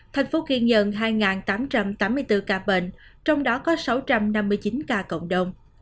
thành phố ghi nhận hai tám trăm tám mươi bốn ca bệnh trong đó có sáu trăm năm mươi chín ca cộng đồng